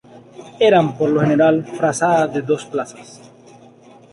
Eran por lo general frazadas de dos plazas.